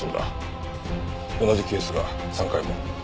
同じケースが３回も。